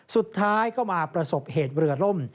สุดท้ายก็มาประสบเหตุเรือล่ม